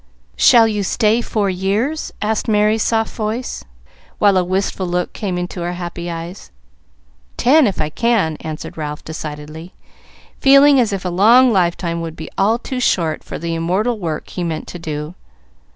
"Shall you stay four years?" asked Merry's soft voice, while a wistful look came into her happy eyes. "Ten, if I can," answered Ralph, decidedly, feeling as if a long lifetime would be all too short for the immortal work he meant to do.